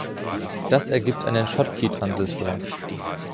Das ergibt einen Schottky-Transistor.